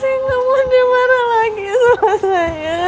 saya ga mau dia marah lagi sama saya